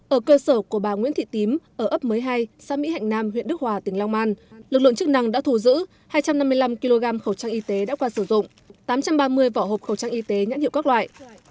ở cơ sở của bà nguyễn thị tím ở ấp một mươi hai xã mỹ hạnh nam huyện đức hòa tỉnh long an lực lượng chức năng đã thù giữ hai trăm năm mươi năm kg khẩu trang y tế đã qua sử dụng tám trăm ba mươi vỏ hộp khẩu trang y tế nhãn hiệu các loại